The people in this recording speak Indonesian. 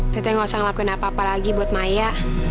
tete gak usah ngelakuin apa apa lagi buat maya